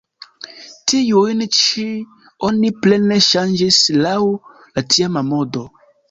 Tiujn ĉi oni plene ŝanĝis laŭ la tiama modo.